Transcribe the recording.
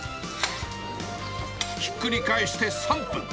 ひっくり返して３分。